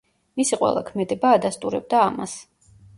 მისი ყველა ქმედება ადასტურებდა ამას.